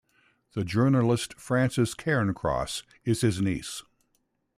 The journalist Frances Cairncross is his niece.